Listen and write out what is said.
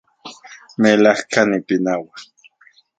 Melajka nipinaua